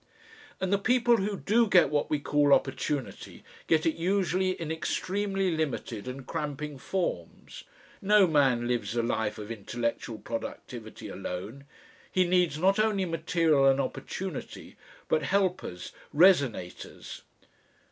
"And the people who do get what we call opportunity get it usually in extremely limited and cramping forms. No man lives a life of intellectual productivity alone; he needs not only material and opportunity, but helpers, resonators.